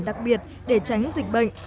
đặc biệt để tránh dịch bệnh